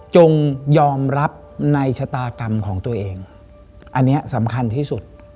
จงยอมรับในชะตากรรมของตัวเองอันนี้สำคัญที่สุด